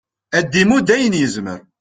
ad d-imudd ayen yezmer